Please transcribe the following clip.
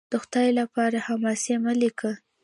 د خدای دپاره! حماسې مه لیکه